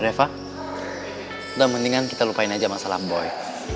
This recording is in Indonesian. udah mendingan kita lupain aja masalah boy